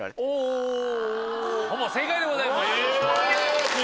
ほぼ正解でございます。